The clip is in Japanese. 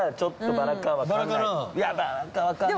バラかな？